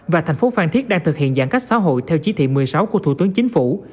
và thành phố phan thiết đang thực hiện giãn cách xã hội theo chỉ thị một mươi sáu của thủ tướng chính phủ